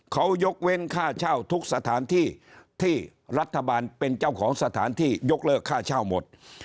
เขายกเว้นค่าเช่าทุกสถานที่ที่รัฐบาลเป็นเจ้าของสถานที่ยกเลิกค่าเช่าหมด